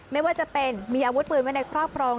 ไม่ว่าจะเป็นมีอาวุธปืนไว้ในครอบครอง